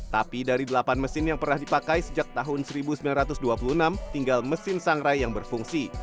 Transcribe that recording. tapi dari delapan mesin yang pernah dipakai sejak tahun seribu sembilan ratus dua puluh enam tinggal mesin sangrai yang berfungsi